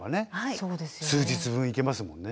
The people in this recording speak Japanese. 数日分いけますもんね。